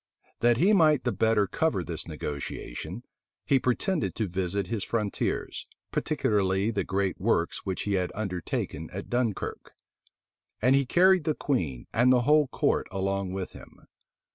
That he might the better cover this negotiation, he pretended to visit his frontiers, particularly the great works which he had undertaken at Dunkirk: and he carried the queen and the whole court along with him.